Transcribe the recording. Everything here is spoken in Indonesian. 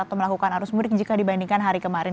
atau melakukan arus mudik jika dibandingkan hari kemarin